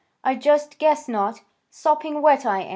I just guess not. Sopping wet I am."